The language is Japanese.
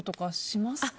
します。